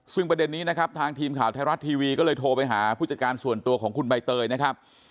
ซึ่งประเด็นนี้นะครับทางทีมข่าวไทยรัฐทีวีก็เลยโทรไปหาผู้จัดการส่วนตัวของคุณใบเตยนะครับ